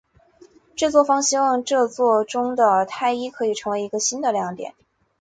制作方希望这作中的泰伊可以成为一个新的亮点。